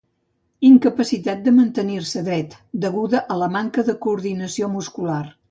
Incapacitat de mantenir-se dret, deguda a la manca de coordinació muscular.